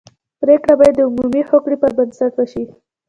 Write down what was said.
پرېکړه باید د عمومي هوکړې پر بنسټ وشي.